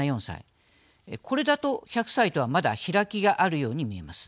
これだと１００歳とはまだ開きがあるように見えます。